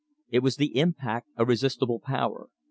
It was the impact of resistible power.